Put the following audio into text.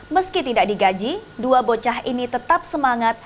meski tidak digaji dua bocah ini tetap semangat